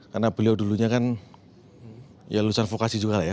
karena beliau dulunya kan ya lulusan vokasi juga ya